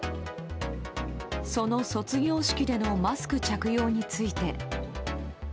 その卒業式でのマスク着用について。